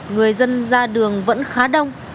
người dân ra đường vẫn khá đông